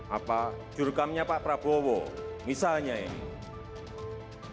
apa jurukamnya pak prabowo misalnya ini